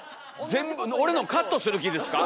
全部俺のカットする気ですか？